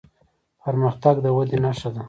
پرمختګ د ودې نښه ده.